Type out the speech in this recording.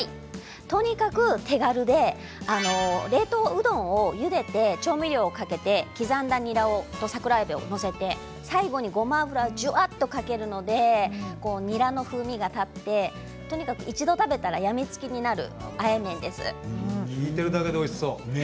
とにかく手軽で冷凍うどんをゆでて調味料をかけて刻んだにらと桜えびを載せて最後にごま油をじゅわっとかけるのでにらの風味が立ってとにかく一度食べたら聞いてるだけでもおいしそう。